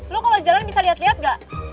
lo kalau jalan bisa liat liat gak